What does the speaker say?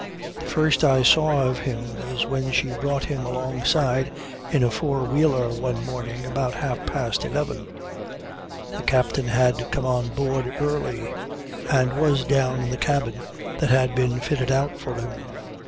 "The first I saw of him was when she brought him alongside in a four wheeler one morning about half past eleven. The captain had come on board early, and was down in the cabin that had been fitted out for him.